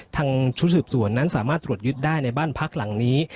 ชุดสืบสวนนั้นสามารถตรวจยึดได้ในบ้านพักหลังนี้